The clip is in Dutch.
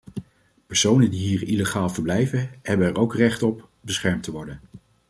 Personen die hier illegaal verblijven hebben er ook recht op beschermd te worden.